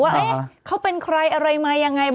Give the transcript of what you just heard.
ว่าเขาเป็นใครอะไรยังไงบ้าง